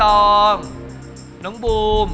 คุณน้องปูม